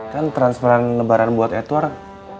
kan transferan lebaran buat edward